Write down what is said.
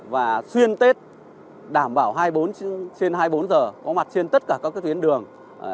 và xuyên tết đảm bảo hai mươi bốn trên hai mươi bốn giờ có mặt trên tất cả các tuyến đường